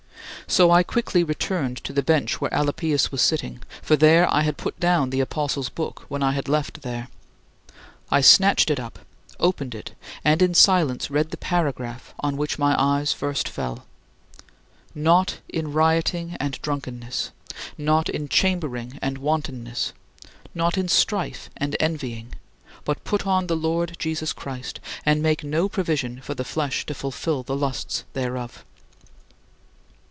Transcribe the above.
So I quickly returned to the bench where Alypius was sitting, for there I had put down the apostle's book when I had left there. I snatched it up, opened it, and in silence read the paragraph on which my eyes first fell: "Not in rioting and drunkenness, not in chambering and wantonness, not in strife and envying, but put on the Lord Jesus Christ, and make no provision for the flesh to fulfill the lusts thereof."